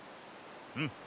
うん。